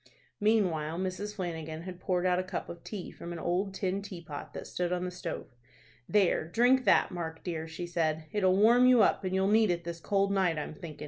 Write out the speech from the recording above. Meanwhile Mrs. Flanagan had poured out a cup of tea from an old tin teapot that stood on the stove. "There, drink that, Mark dear," she said. "It'll warm you up, and you'll need it this cold night, I'm thinkin'."